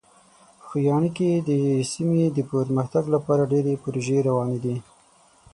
په خوږیاڼي کې د سیمې د پرمختګ لپاره ډېرې پروژې روانې دي.